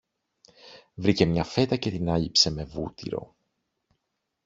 Βρήκε μια φέτα και την άλέιψε με βούτυρο